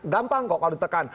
gampang kok kalau ditekan